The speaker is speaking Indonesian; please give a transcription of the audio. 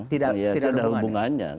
tidak ada hubungannya